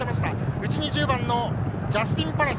内に１０番のジャスティンパレス。